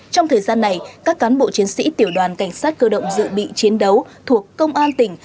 trong thời gian này các cán bộ chiến sĩ tiểu đoàn cảnh sát cơ động dự bị chiến đấu thuộc công an tỉnh